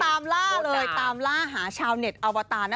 คือตามล่าเลยตามล่าหาชาวเน็ต